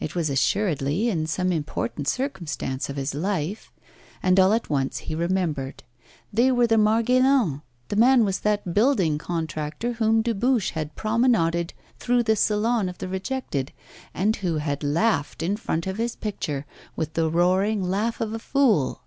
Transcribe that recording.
It was assuredly in some important circumstance of his life. And all at once he remembered; they were the Margaillans, the man was that building contractor whom Dubuche had promenaded through the Salon of the Rejected, and who had laughed in front of his picture with the roaring laugh of a fool.